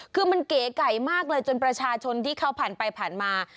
คือมันเก๋ไก่มากเลยจนประชาชนที่เขาผ่านไปผ่านมา